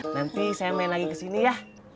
nanti saya main lagi kesini ya